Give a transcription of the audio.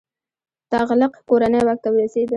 تغلق کورنۍ واک ته ورسیده.